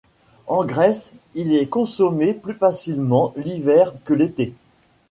En Grèce, il est consommé plus facilement l'hiver que l'été.